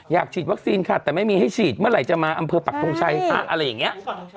อยากฉีดวัคซีนค่ะแต่ไม่มีให้ฉีดเมื่อไหร่จะมาอำเภอปักทงชัยค่ะอะไรอย่างนี้